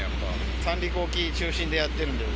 三陸沖中心でやっているんで。